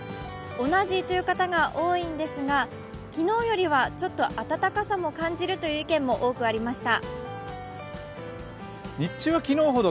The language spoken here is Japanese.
同じという方が多いんですが、昨日よりはちょっと暖かさも感じるという意見も多くありました。